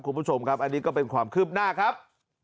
คุณผู้ชมครับอันนี้ก็เป็นความคืบหน้าครับ